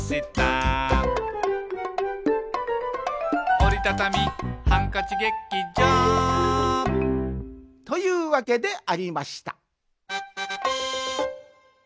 「おりたたみハンカチ劇場」というわけでありました